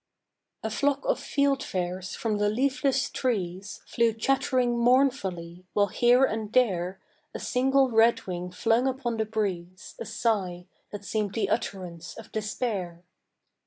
A flock of fieldfares from the leafless trees Flew chattering mournfully, while here and there A single redwing flung upon the breeze A sigh that seem'd the utterance of despair.